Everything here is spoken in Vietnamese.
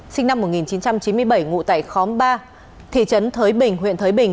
sinh năm một nghìn chín trăm chín mươi bảy ngụ tại khóm ba thị trấn thới bình huyện thới bình